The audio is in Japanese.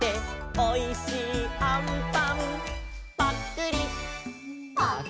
「おいしいあんぱんぱっくり」「」